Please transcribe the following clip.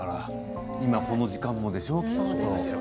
今この時間もですよね、きっと。